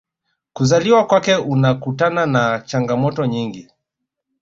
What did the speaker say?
kuzaliwa kwake anakutana na changamoto nyingi